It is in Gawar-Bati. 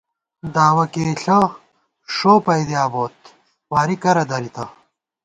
دعوہ کېئیݪہ ݭو پَئیدِیا بوت، واری کرہ درِتہ